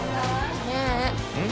ねえうん？